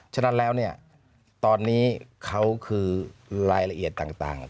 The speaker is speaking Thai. ฉะนั้นแล้วเนี่ยตอนนี้เขาคือรายละเอียดต่าง